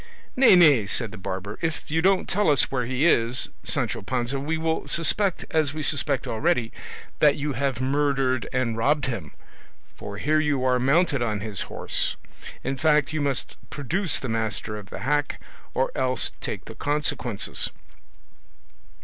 "Nay, nay," said the barber, "if you don't tell us where he is, Sancho Panza, we will suspect as we suspect already, that you have murdered and robbed him, for here you are mounted on his horse; in fact, you must produce the master of the hack, or else take the consequences."